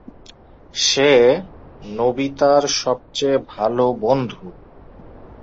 সে নোবিতার সবচেয়ে ভালো বন্ধু।